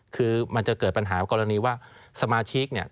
คือมันจะเกิดปัญหากรณีว่าสมาชิกเนี่ย